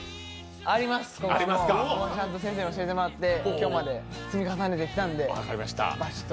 あります、今回はもう、ちゃんと先生に教えてもらって今日まで積み重ねてきたんでバシッと。